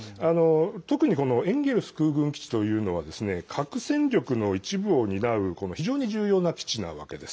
特にエンゲルス空軍基地というのは核戦力の一部を担う非常に重要な基地なわけです。